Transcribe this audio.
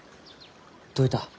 どういた？